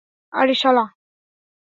আরে, শালা!